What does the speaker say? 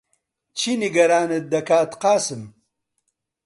چی نیگەرانت دەکات، قاسم؟